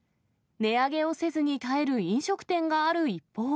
値上げをせずに耐える飲食店がある一方。